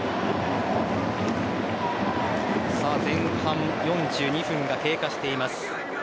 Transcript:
前半４２分が経過しています。